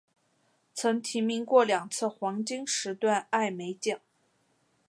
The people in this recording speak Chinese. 曾提名过两次黄金时段艾美奖。